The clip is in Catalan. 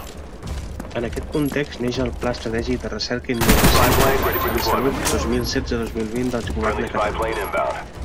En aquest context, neix el Pla estratègic de recerca i innovació en salut dos mil setze dos mil vint del Govern de Catalunya.